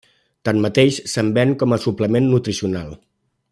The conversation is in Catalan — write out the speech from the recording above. Tanmateix, se'n ven com a suplement nutricional.